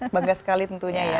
bangga sekali tentunya ya